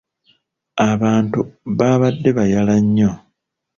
Abantu baabadde bayala nnyo.